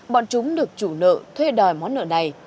bọn chúng được chủ nợ thuê đòi món nợ này